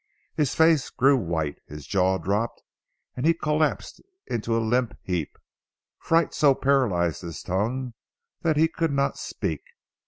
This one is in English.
His face grew white, his jaw dropped, and he collapsed into a limp heap. Fright so paralysed his tongue that he could not speak.